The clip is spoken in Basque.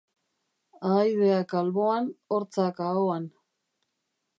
Ahaideak alboan hortzak ahoan.